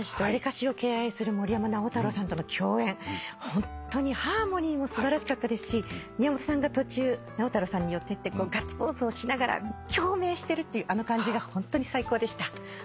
ホントにハーモニーも素晴らしかったですし宮本さんが途中直太朗さんに寄っていってガッツポーズをしながら共鳴してるっていうあの感じがホントに最高でした。